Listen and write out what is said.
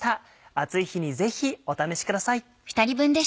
暑い日にぜひお試しください。